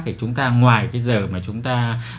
thì chúng ta ngoài cái giờ mà chúng ta